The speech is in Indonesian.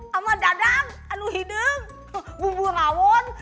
sama dadang anuhidung bumbu rawon